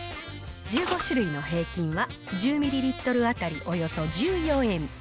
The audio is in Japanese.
１５種類の平均は、１０ミリリットル当たりおよそ１４円。